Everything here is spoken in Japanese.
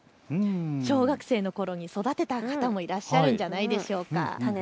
小学生のころに育てた方もいらっしゃるんじゃないでしょうか。